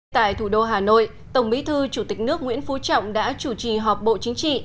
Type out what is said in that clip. tại thủ đô hà nội tổng bí thư chủ tịch nước nguyễn phú trọng đã chủ trì họp bộ chính trị